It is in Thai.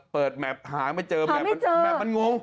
เปิดแม็ปหาไม่เจอแม็ปมันงง